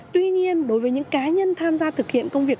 tuy nhiên đối với những cá nhân tham gia thực hiện công việc